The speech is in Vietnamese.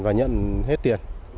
và nhận hết tiền